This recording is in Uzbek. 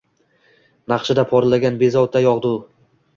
Naqshida porlagan bezovta yog’du!